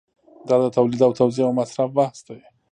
دا د تولید او توزیع او مصرف بحث دی.